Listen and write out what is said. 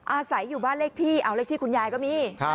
อาศัยอยู่บ้านเลขที่เอาเลขที่คุณยายก็มี